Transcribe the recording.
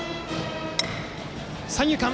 三遊間！